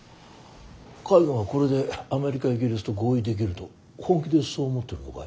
海軍はこれでアメリカイギリスと合意できると本気でそう思っているのかい？